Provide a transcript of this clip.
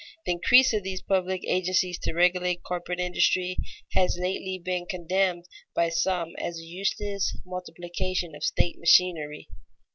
The increase of these public agencies to regulate corporate industry has lately been condemned by some as a useless multiplication of state machinery.